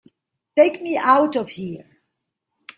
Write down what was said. Take me out of here!